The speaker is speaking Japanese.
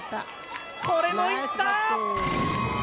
これもいった！